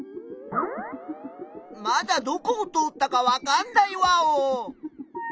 まだどこを通ったかわかんないワオ！